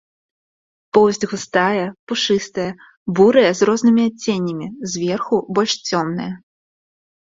Поўсць густая, пушыстая, бурая з рознымі адценнямі, зверху больш цёмная.